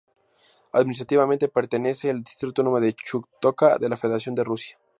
Administrativamente, pertenece al Distrito autónomo de Chukotka de la Federación de Rusia.